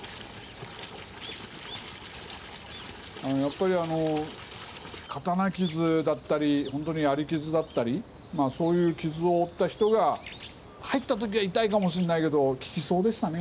やっぱり刀傷だったりほんとに槍傷だったりまあそういう傷を負った人が入った時は痛いかもしんないけど効きそうでしたね。